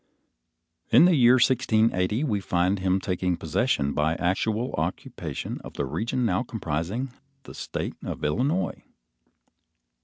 In the year 1680, we find him taking possession by actual occupation, of the region now comprising the State of Illinois.